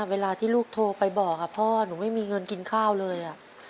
เวลาที่ลูกโทรไปบอกพ่อหนูไม่มีเงินกินข้าวเลย